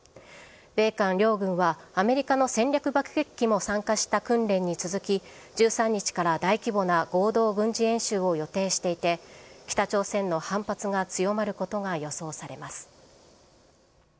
米韓両軍はアメリカの戦略爆撃機も参加した訓練に続き、１３日から大規模な合同軍事演習を予定していて、北朝鮮の反発が強まることが予想されます。